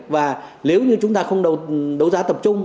và nếu như chúng ta không đấu giá tập trung